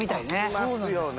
いますよね。